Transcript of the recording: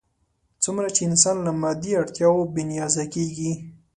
څومره چې انسان له مادي اړتیاوو بې نیازه کېږي.